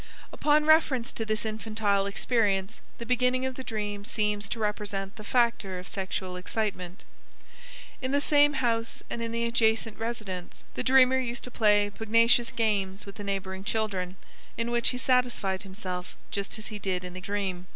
Upon reference to this infantile experience, the beginning of the dream seems to represent the factor of sexual excitement. In the same house and in the adjacent residence the dreamer used to play pugnacious games with the neighboring children, in which he satisfied himself just as he did in the dream.